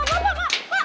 pak pak pak